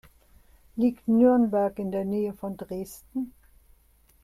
Liegt Nürnberg in der Nähe von Dresden?